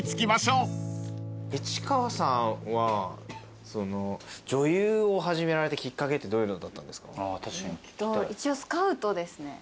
市川さんは女優を始められたきっかけってどういうのだったんですか？